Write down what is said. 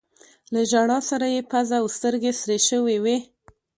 له ژړا سره يې پزه او سترګې سرې شوي وې.